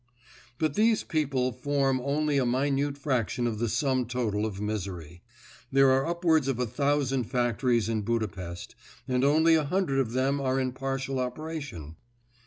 But these people form only a minute fraction of the sum total of misery. There are upwards of a thousand factories in Budapest and only a hundred of them are in partial operation.